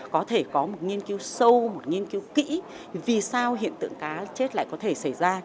có thể có một nghiên cứu sâu một nghiên cứu kỹ vì sao hiện tượng cá chết lại có thể xảy ra